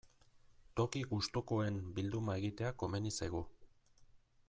Toki gustukoen bilduma egitea komeni zaigu.